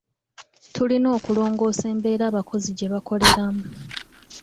Tulina okulongoosa embeera abakozi gye bakoleramu.